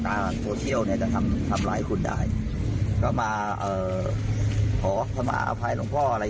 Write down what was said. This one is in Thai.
โทรเชียลเนี้ยจะทำหลายคนได้ก็มาเอ่อขอทำอาภัยหลวงพ่ออะไร